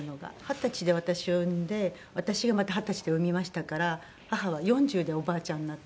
二十歳で私を産んで私がまた二十歳で産みましたから母は４０でおばあちゃんになって。